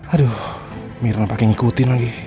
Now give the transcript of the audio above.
aduh mirna pakai ngikutin lagi